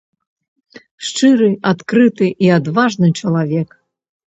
Шчыры, адкрыты і адважны чалавек.